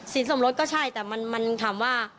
สมรสก็ใช่แต่มันถามว่า